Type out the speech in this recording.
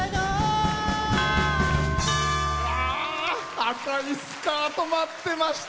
赤いスカート舞ってました。